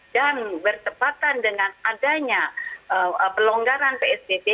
dan bersepatan dengan adanya pelonggaran psbb